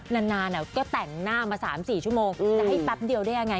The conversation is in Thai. นานนานเนี้ยก็แต่งหน้ามาสามสี่ชั่วโมงจะให้แป๊บเดียวได้ยังไง